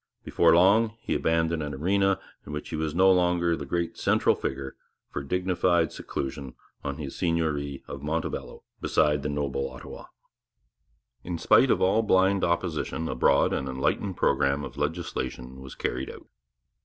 Before long he abandoned an arena in which he was no longer the great central figure for dignified seclusion on his seigneury of Montebello beside the noble Ottawa. In spite of all blind opposition a broad and enlightened programme of legislation was carried out.